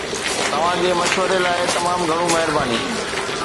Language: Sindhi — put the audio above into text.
توهان جي مشوري لاء تمام گهڻو مهرباني